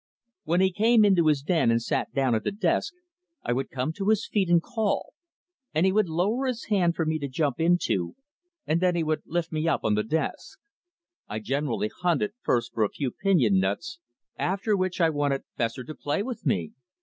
When he came into his den and sat down at the desk I would come to his feet and call, and he would lower his hand for me to jump into, and then he would lift me up on the desk. I generally hunted first for a few pinion nuts, after which I wanted Fessor to play with me.